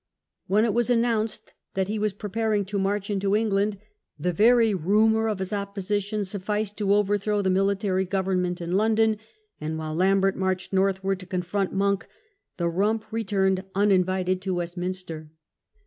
When it was announced that he was preparing to march into England, the very rumour of his opposition sufficed to overthrow the military government in London; and while Lambert marched northward to confront Monk, the "Rump" returned uninvited to Westminster.